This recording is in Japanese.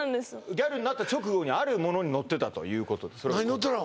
ギャルになった直後にあるものに乗ってたということで何乗ってたの？